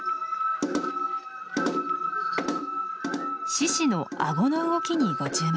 獅子の顎の動きにご注目。